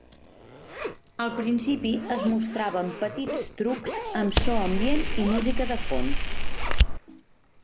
Al principi es mostraven petits trucs amb so ambient i música de fons.